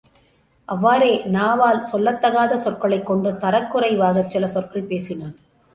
அவ்வாறே நாவால் சொல்லத்தகாத சொற்களைக் கொண்டு தரக்குறைவாகச் சில சொற்கள் பேசினான்.